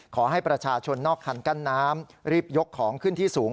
ขอให้ประชาชนนอกคันกั้นน้ำรีบยกของขึ้นที่สูง